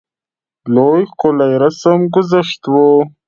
لوی ښکلی رسم ګذشت وو.